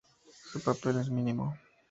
Su papel es mínimo.